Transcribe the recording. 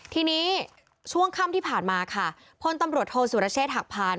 ทีนี้ช่วงค่ำที่ผ่านมาค่ะพลตำรวจโทษสุรเชษฐหักพาน